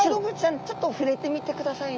ちょっと触れてみてくださいね。